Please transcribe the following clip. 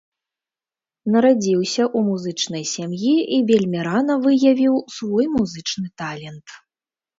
Нарадзіўся ў музычнай сям'і і вельмі рана выявіў свой музычны талент.